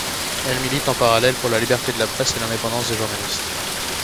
Elle milite en parallèle pour la liberté de la presse et l'indépendance des journalistes.